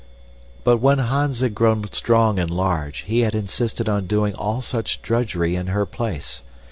But when Hans had grown strong and large, he had insisted on doing all such drudgery in her place.